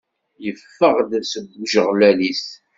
Yeffeɣ-d seg ujeɣlal-is.